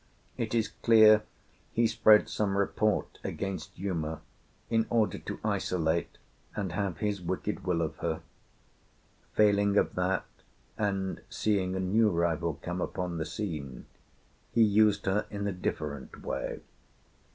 It is clear he spread some report against Uma, in order to isolate and have his wicked will of her. Failing of that, and seeing a new rival come upon the scene, he used her in a different way.